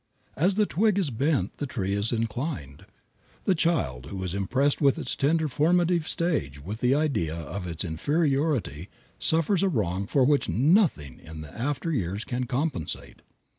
As the twig is bent the tree is inclined. The child who is impressed in its tender formative stage with the idea of its inferiority suffers a wrong for which nothing in the after years can compensate.